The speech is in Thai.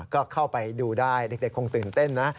ก็เข้าไปดูได้เด็กคงตื่นเต้นนะ